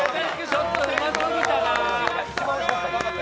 ちょっとうますぎたな。